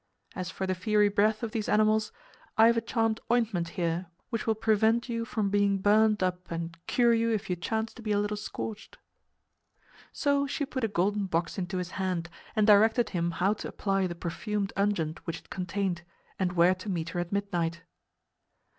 As for the fiery breath of these animals, I have a charmed ointment here which will prevent you from being burned up and cure you if you chance to be a little scorched." So she put a golden box into his hand and directed him how to apply the perfumed unguent which it contained, and where to meet her at midnight.